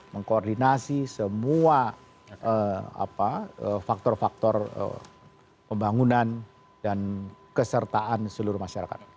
mengkoordinasi semua faktor faktor pembangunan dan kesertaan seluruh masyarakat